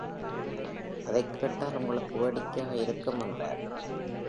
அதைக் கேட்டால் உங்களுக்கு வேடிக்கையாக இருக்கும் என்றார்.